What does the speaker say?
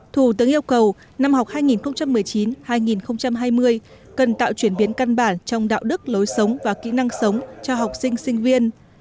thủ tướng yêu cầu năm học hai nghìn một mươi chín hai nghìn hai mươi cần tạo chuyển biến căn bản trong đạo đức lối sống và kỹ năng sống cho học sinh sinh viên